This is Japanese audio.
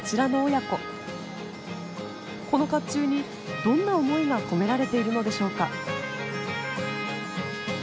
この甲冑にどんな思いが込められているのでしょうか。